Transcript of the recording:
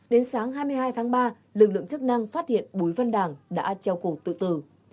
đến sáng hai mươi hai tháng ba lực lượng chức năng phát hiện bùi văn đảng đã treo cổ tự tử